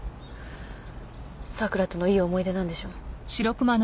咲良とのいい思い出なんでしょ？